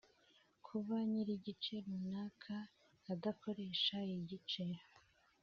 Kuba nyir igice runaka adakoresha igice